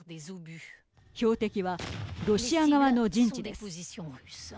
標的はロシア側の陣地です。